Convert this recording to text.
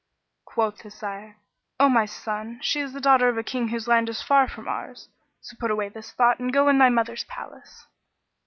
Quoth his sire, "O my son, she is the daughter of a King whose land is far from ours: so put away this thought and go in to thy mother's palace."